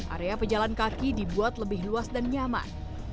area pejalan kaki dibuat lebih luas dan nyaman